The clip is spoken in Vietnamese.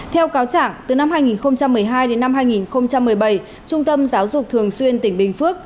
theo cáo trạng từ năm hai nghìn một mươi hai đến năm hai nghìn một mươi bảy trung tâm giáo dục thường xuyên tỉnh bình phước